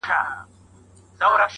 او نن ته د هغه بل لنډغر